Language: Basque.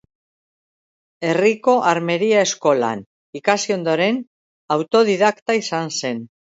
Herriko Armeria Eskolan ikasi ondoren, autodidakta izan zen.